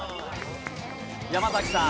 山崎さん。